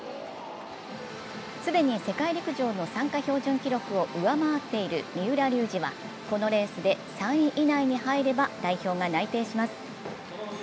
既に世界陸上の参加標準記録を上回っている三浦龍司はこのレースで３位以内に入れば代表が内定します。